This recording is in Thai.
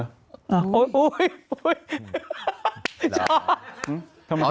โอ้ยโอ้ยโอ้ย